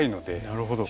なるほど。